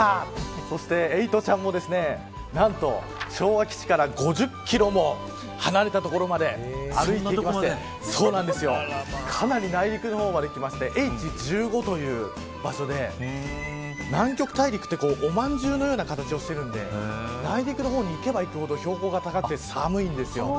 そしてエイトちゃんも何と昭和基地から５０キロも離れた所まで歩いてきましてかなり内陸の方まで来ましてＨ１５という場所で南極大陸はおまんじゅうのような形をしてるので内陸にいけばいくほど標高が高くて寒いんですよ。